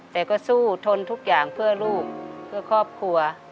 แต่ก็สู้ทนทุกอย่างเพื่อลูกเพื่อครอบครัว